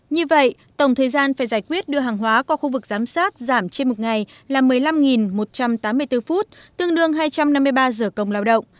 như vậy tổng thời gian phải giải quyết đưa hàng hóa qua khu vực giám sát giảm trên một ngày là một mươi năm một trăm tám mươi bốn phút tương đương hai trăm năm mươi ba giờ công lao động